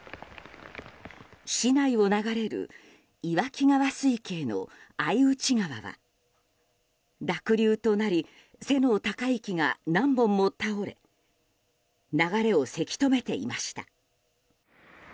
市内を流れる岩木川水系の相内川は濁流となり、背の高い木が何本も倒れ流れをせき止めていました。